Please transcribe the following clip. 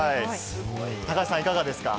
高橋さん、いかがですか？